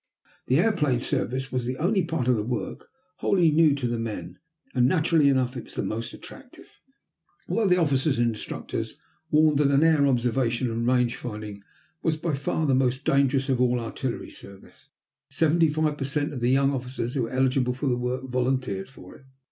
The airplane service was the only part of the work wholly new to the men, and, naturally enough, it was the most attractive. Although the officers and instructors warned that air observation and range finding was by far the most dangerous of all artillery service, seventy five per cent of the young officers who were eligible for the work volunteered for it.